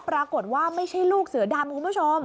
ปรากฏว่าไม่ใช่ลูกเสือดำคุณผู้ชม